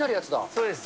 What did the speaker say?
そうです。